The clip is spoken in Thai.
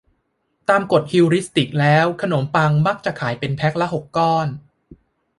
ตามกฏฮิวริสติกแล้วขนมปังมักขายเป็นแพคละหกก้อน